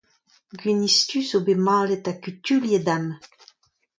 Gwinizh-du a zo bet malet ha kutuilhet amañ.